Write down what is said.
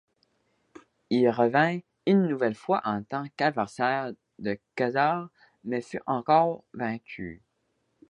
Il revint une nouvelle fois en tant qu'adversaire de Ka-Zar mais fut encore vaincu.